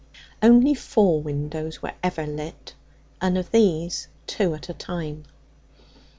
Only four windows were ever lit, and of these two at a time.